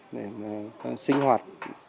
để sinh hoạt